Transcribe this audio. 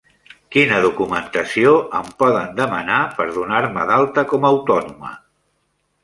Quina documentación em poden demanar per donar-me d'alta com a autònoma?